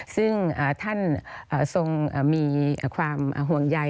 ซึ่งท่านทรงมีความห่วงใย